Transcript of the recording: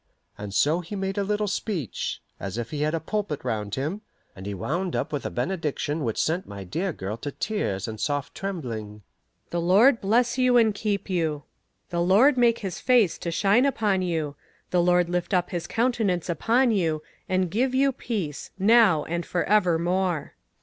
And so he made a little speech, as if he had a pulpit round him, and he wound up with a benediction which sent my dear girl to tears and soft trembling: "The Lord bless you and keep you: the Lord make his face to shine upon you; the Lord lift up his countenance upon you, and give you peace now and for evermore."